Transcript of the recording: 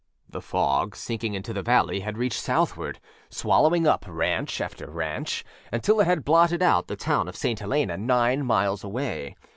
The fog, sinking into the valley, had reached southward, swallowing up ranch after ranch, until it had blotted out the town of St. Helena, nine miles away.